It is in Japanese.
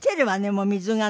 もう水がね。